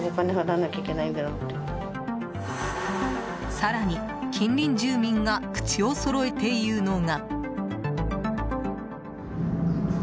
更に、近隣住民が口をそろえて言うのが。